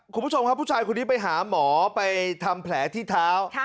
คุณผู้ชมครับผู้ชายคนนี้ไปหาหมอไปทำแผลที่เท้า